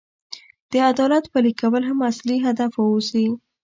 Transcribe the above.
د عدالت پلي کول هم اصلي هدف واوسي.